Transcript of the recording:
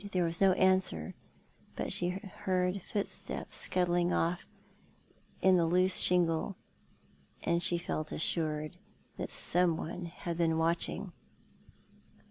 There was no answer, but she heard footsteps scuttling off in the loose shingle, and she felt assured that someone had been watching.